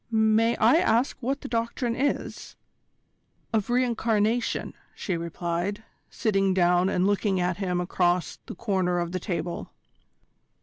"May I ask what the Doctrine is?" "Of re incarnation," she replied, sitting down and looking at him across the corner of the table.